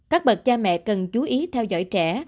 các bậc cha mẹ cần chú ý theo dõi trẻ